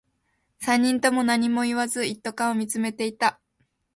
三人とも何も言わず、一斗缶を見つめていた